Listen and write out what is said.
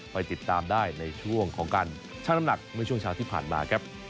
ไปติดตามได้ในช่วงของการช่างน้ำหนักเมื่อช่วงเช้าที่ผ่านมาครับ